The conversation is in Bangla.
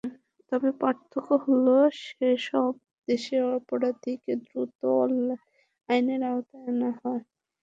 তবে পার্থক্য হলো সেসব দেশে অপরাধীকে দ্রুত আইনের আওতায় আনা হয়।